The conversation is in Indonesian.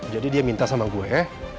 jadi dia minta sama gue